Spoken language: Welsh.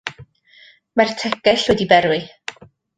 Mae'r tegell wedi berwi.